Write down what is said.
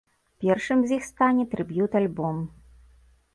Першым з іх стане трыб'ют-альбом.